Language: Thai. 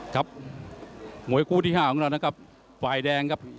ครับมวยคู่ที่๕ของเรานะครับฝ่ายแดงครับ